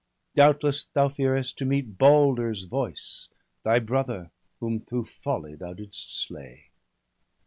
Doubtless thou fearest to meet Balder's voice, Thy brother, whom through folly thou didst slay.'